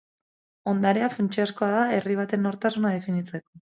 Ondarea funtsezkoa da herri baten nortasuna definitzeko.